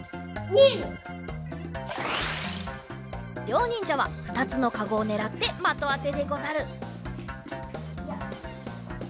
りょうにんじゃはふたつのかごをねらってまとあてでござる。